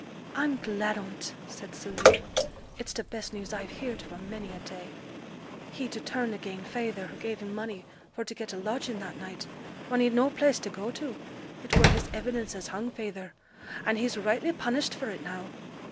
'I'm glad on 't,' said Sylvia; 'it's t' best news I've heered for many a day, he, to turn again' feyther, who gave him money fo t' get a lodging that night, when he'd no place to go to. It were his evidence as hung feyther; and he's rightly punished for it now.'